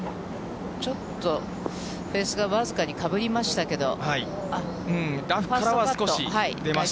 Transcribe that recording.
ちょっとフェースが僅かにかぶりましたけど。